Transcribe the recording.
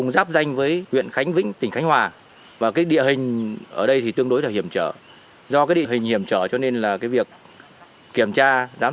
giáp danh với huyện khánh vĩnh tỉnh khánh hòa để cư gỗ